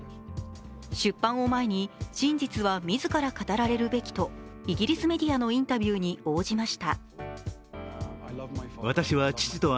出版を前に真実は自ら語られるべきとイギリスメディアのインタビューに応じました。